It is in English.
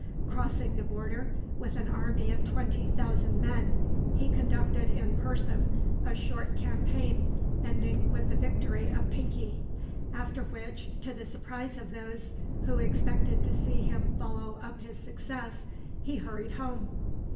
Crossing the border with an army of twenty thousand men, he conducted in person a short campaign ending with the victory of Pinkie, after which, to the surprise of those who expected to see him follow up his success, he hurried home.